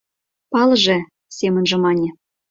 Палыже... — семынже мане.